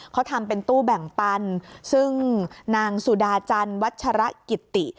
เขาทำเป็นตู้แบ่งปันซึ่งนางสุดาจันทร์วัชระกิติ